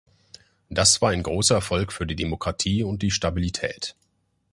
Das war ein großer Erfolg für die Demokratie und die Stabilität.